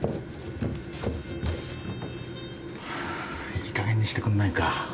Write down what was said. いいかげんにしてくんないか。